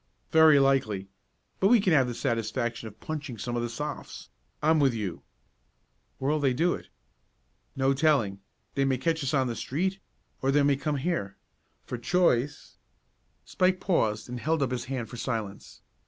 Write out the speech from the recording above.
"Very likely, but we can have the satisfaction of punching some of the Sophs. I'm with you." "Where'll they do it?" "No telling. They may catch us on the street, or they may come here. For choice " Spike paused and held up his hand for silence.